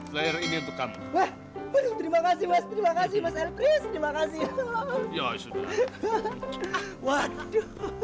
terima kasih terima kasih terima kasih ya sudah